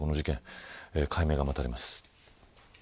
この事件解明が待たれます。